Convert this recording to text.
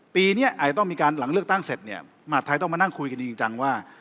ปีนี้อาจจะต้องมีการหลังเลือกตั้งเสร็จเนี่ยมหาดไทยต้องมานั่งคุยกันจริงจังว่า